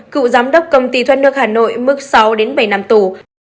cựu giám đốc công ty thoát nước hà nội mức sáu bảy năm tù